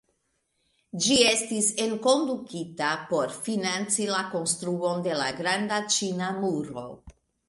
Ĝi estis enkondukita por financi la konstruon de la Granda Ĉina Muro.